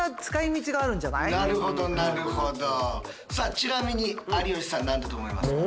ちなみに有吉さん何だと思います？